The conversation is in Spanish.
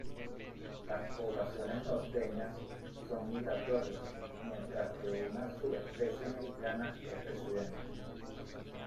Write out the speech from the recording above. Las poblaciones norteñas son migratorias, mientras que una subespecie mexicana es residente.